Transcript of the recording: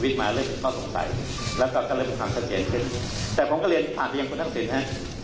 แต่ผมก็เรียนผ่านไปอย่างคุณทักษิตนะฮะ